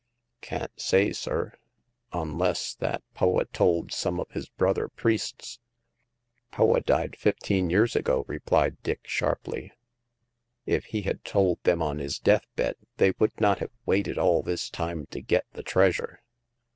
" Can't say, sir, onless that Poa told some of his brother priests." The Third Customer. 99 " Poa died fifteen years ago," replied Dick, sharply ; "if he had told them on his death bed, they would not have waited all this time to get the treasure."